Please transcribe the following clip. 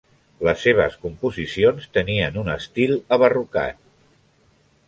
Les seves composicions tenien un estil abarrocat.